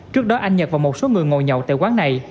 trước đó anh nhật và một số người ngồi nhậu tại quán này